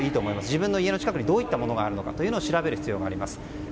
自分の家の近くにどういったものがあるのか調べる必要があります。